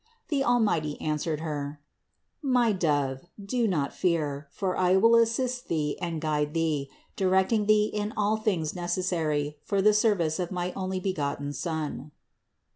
The Almighty answered Her : "My Dove, do not fear, for I will assist thee and guide thee, directing thee in all things necessary for the service of my only begotten Son."